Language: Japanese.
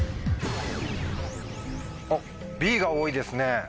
あっＢが多いですね。